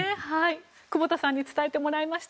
久保田さんに伝えてもらいました。